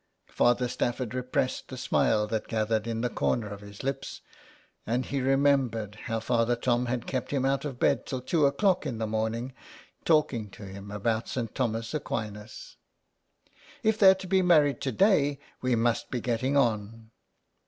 " Father Stafford repressed the smile that gathered in the corner of his lips, and he remembered how Father Tom had kept him out of bed till two o'clock in the morning, talking to him about St. Thomas Aquinas. " If they're to be married to day we must be getting on."